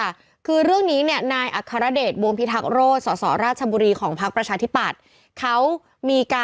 อ่าอ่าอ่าอ่าอ่าอ่าอ่าอ่าอ่าอ่าอ่า